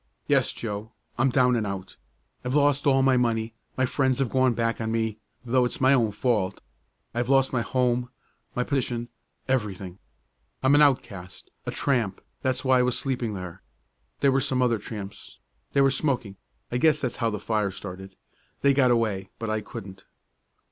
"Yes, Joe, I'm down and out. I've lost all my money, my friends have gone back on me though it's my own fault I have lost my home my position everything. I'm an outcast a tramp that's why I was sleeping there. There were some other tramps. They were smoking I guess that's how the fire started. They got away but I couldn't."